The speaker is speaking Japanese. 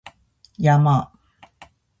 山